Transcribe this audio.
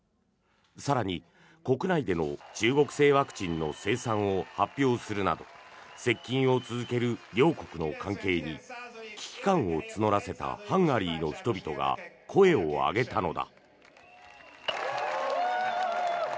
更に、国内での中国製ワクチンの生産を発表するなど接近を続ける両国の関係に危機感を募らせたハンガリーの人々が声を上げたのだ。